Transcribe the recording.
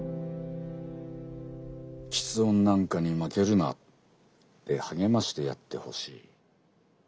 「吃音なんかに負けるな」って励ましてやってほしい。